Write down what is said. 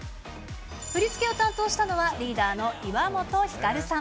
振り付けを担当したのは、リーダーの岩本照さん。